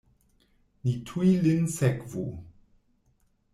Ni tuj lin sekvu!